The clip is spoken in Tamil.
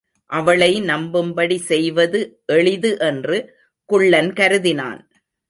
அவளை நம்பும்படி செய்வது எளிது என்று குள்ளன் கருதினான்.